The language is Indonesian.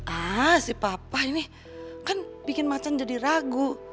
ah si papa ini kan bikin macan jadi ragu